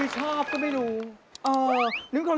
ช่วยได้ยินด้วย